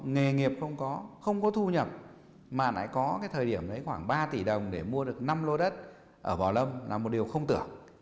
nghề nghiệp không có thu nhập mà lại có cái thời điểm đấy khoảng ba tỷ đồng để mua được năm lô đất ở bảo lâm là một điều không tưởng